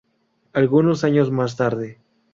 Algunos años más tarde.